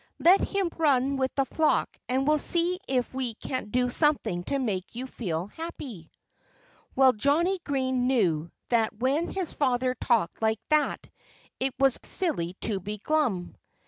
Let him run with the flock and we'll see if we can't do something to make you feel happy." Well, Johnnie Green knew that when his father talked like that it was silly to be glum.